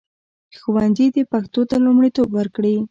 ښوونځي دې پښتو ته لومړیتوب ورکړي.